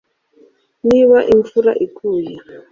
niba imvura iguye